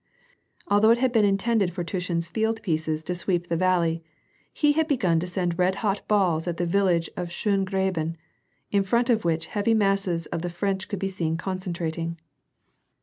Although it had been intended for Tushin's field pieces to sweep the valley, he had begun to send red hot balls at the village of Schongraben, in front of which heavy masses of the French could be seen concentrating.